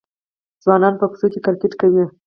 ځوانان په کوڅو کې کرکټ کوي.